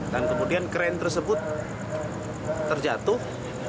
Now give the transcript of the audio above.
dan kemudian kren tersebut terjatuh